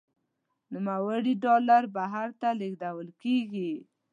نوموړي ډالر بهر ته لیږدول کیږي.